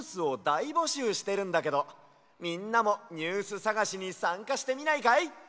いぼしゅうしてるんだけどみんなもニュースさがしにさんかしてみないかい？